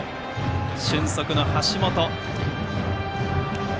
俊足の橋本。